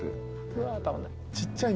うわたまんない。